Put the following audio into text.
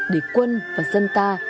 để quân và dân ta